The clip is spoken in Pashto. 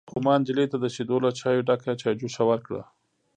_خو ما نجلۍ ته د شيدو له چايو ډکه چايجوشه ورکړه.